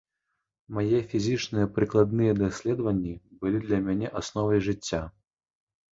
Мае фізічныя прыкладныя даследаванні былі для мне асновай жыцця.